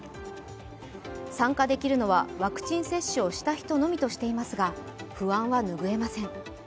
参加できるのはワクチン接種をした人のみとしていますが不安は拭えません。